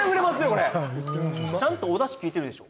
これちゃんとお出汁きいてるでしょ？